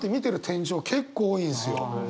天井結構多いんですよ。